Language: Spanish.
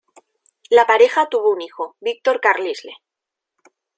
La pareja tuvo un hijo, Víctor Carlisle.